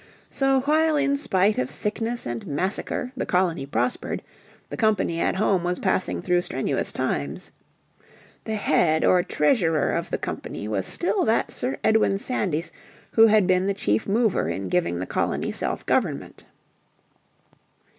So while in spite of sickness and massacre the colony prospered, the company at home was passing through strenuous times. The head or treasurer of the company was still that Sir Edwin Sandys who had been the chief mover in giving the colony self government.